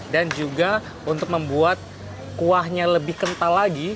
dan juga untuk membuat kuahnya lebih kental lagi